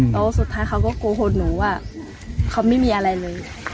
แล้วสุดท้ายเขาก็โกหกหนูว่าเขาไม่มีอะไรเลย